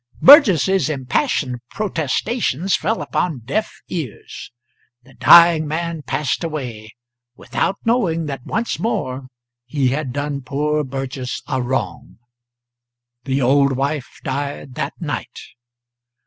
Burgess's impassioned protestations fell upon deaf ears; the dying man passed away without knowing that once more he had done poor Burgess a wrong. The old wife died that night.